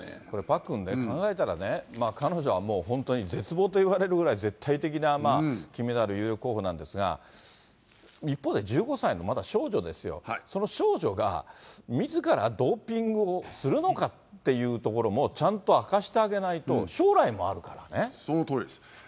これ、パックンね、考えたらね、彼女はもう本当に絶望といわれるぐらい、絶対的な金メダル有力候補なんですが、一方で１５歳のまだ少女ですよ、その少女がみずからドーピングをするのかっていうところも、ちゃんと明かしてあげないと、そのとおりです。